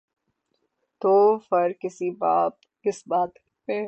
تو فرق کس بات میں ہے؟